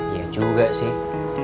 iya juga sih